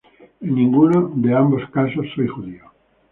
En ninguno de ambos casos soy judío.